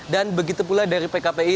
dan begitu pula dari pkpi